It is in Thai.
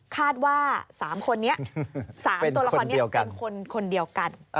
คาดว่า๓คนนี้๓ตัวละครนี้เป็นคนเดียวกัน